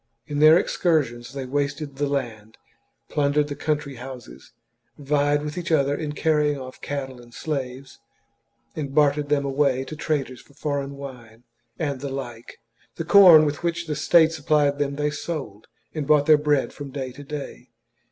In their excursions they wasted the land. XLV. THE JUGURTHINE WAR. I71 plundered the country houses, vied with each other in chap XLIV. carrying off cattle and slaves, and bartered them away to traders for foreign wine and the like. The corn with which the state supplied them they sold, and bought their bread from day to day.